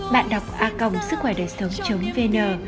bạn đọc a công sứ khoai đời sống vn